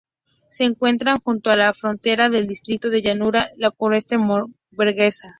Se encuentra junto a la frontera del distrito de Llanura Lacustre Mecklemburguesa.